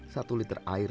satu liter air